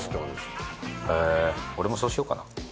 へぇ俺もそうしようかな。